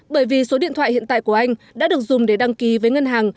bởi vì số điện thoại hiện tại của anh đã được dùng để đăng ký với ngân hàng